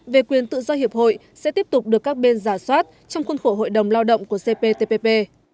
về quyền tự do hiệp hội sẽ tiếp tục được các bên giả soát trong khuôn khổ hội đồng lao động của cptpp